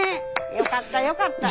よかったよかった。